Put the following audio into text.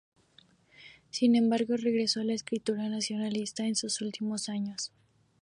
Sin embargo, regresó a la escritura nacionalista en sus últimos años.